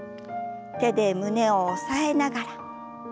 手で胸を押さえながら。